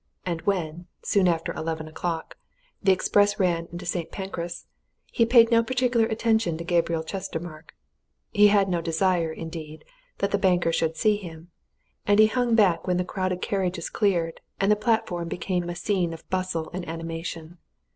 And when, soon after eleven o'clock, the express ran into St. Pancras, he paid no particular attention to Gabriel Chestermarke. He had no desire, indeed, that the banker should see him, and he hung back when the crowded carriages cleared, and the platform became a scene of bustle and animation.